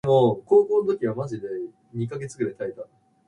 Endowed by nature with superior talents, he was beloved by his country.